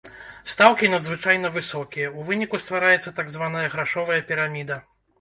Стаўкі надзвычайна высокія, у выніку ствараецца так званая грашовая піраміда.